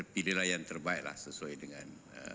pilihlah yang terbaiklah sesuai dengan